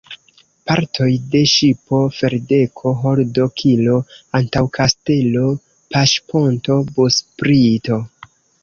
Partoj de ŝipo: ferdeko, holdo, kilo, antaŭkastelo, paŝponto, busprito.